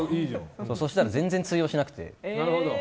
そしたら全然通用しなくて。